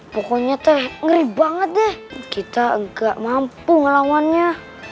pokoknya teh ngeri banget deh kita gak mampu ngelawannya